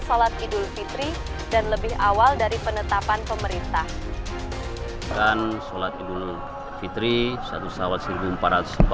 salat idul fitri dan lebih awal dari penetapan pemerintah dan salat idul fitri satu sahabat